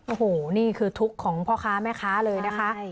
โอ้โหนี่คือทุกข์ของพ่อค้าแม่ค้าเลยนะคะ